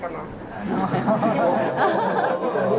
ขอบคุณพี่ด้วยนะครับ